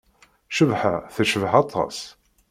Cabḥa tecbeḥ aṭas.